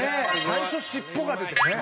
最初尻尾が出てね